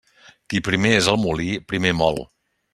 Qui primer és al molí, primer mol.